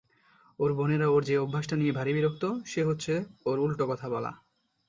ওর বোনেরা ওর যে অভ্যাসটা নিয়ে ভারি বিরক্ত সে হচ্ছে ওর উলটো কথা বলা।